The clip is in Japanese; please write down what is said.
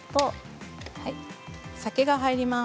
酒が入ります。